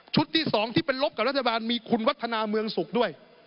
ที่๒ที่เป็นลบกับรัฐบาลมีคุณวัฒนาเมืองสุขด้วย